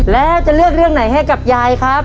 แล้วจะเลือกเรื่องไหนให้กับยายครับ